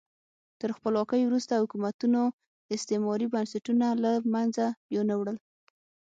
تر خپلواکۍ وروسته حکومتونو استعماري بنسټونه له منځه یو نه وړل.